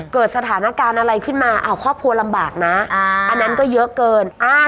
เกิดสถานการณ์อะไรขึ้นมาครอบครัวลำบากนะอันนั้นก็เยอะเกิน